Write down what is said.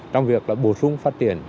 trong việc bổ sung phát triển